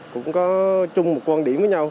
cũng có chung một quan điểm với nhau